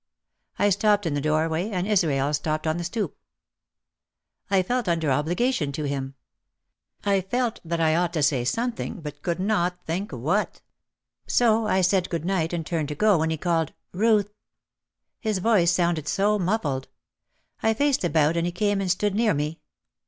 I stopped in the doorway and Israel stopped on the stoop. I felt un der obligation to him. I felt that I ought to say some thing but could not think what. So I said good night and turned to go when he called "Ruth I" His voice sounded so muffled. I faced about and he came and stood near me.